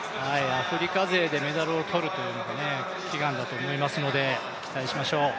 アフリカ勢でメダルを取るというのが悲願だと思いますので期待しましょう。